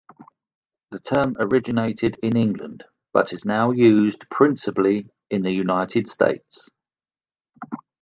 The term originated in England, but is now used principally in the United States.